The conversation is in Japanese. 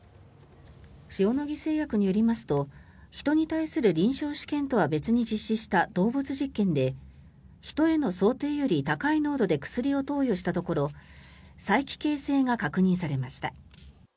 塩野義製薬によりますと人に対する臨床試験とは別に実施した動物実験で人への想定より高い濃度で薬を投与したところ催奇形性が確認されました。